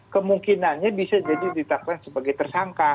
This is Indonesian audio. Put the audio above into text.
kemungkinannya bisa jadi ditetapkan sebagai tersangka